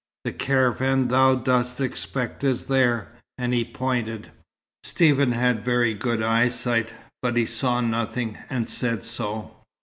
"The caravan thou dost expect is there," and he pointed. Stephen had very good eyesight, but he saw nothing, and said so.